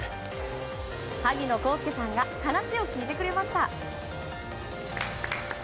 萩野公介さんが話を聞いてくれました。